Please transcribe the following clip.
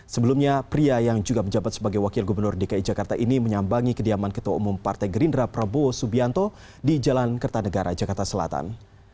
sebelumnya pria yang juga menjabat sebagai wakil gubernur dki jakarta ini menyambangi kediaman ketua umum partai gerindra prabowo subianto di jalan kertanegara jakarta selatan